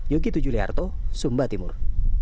yogy tujuliarto sumba timur